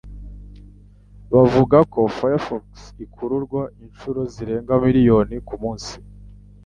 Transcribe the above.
Bavuga ko Firefox ikururwa inshuro zirenga miliyoni kumunsi.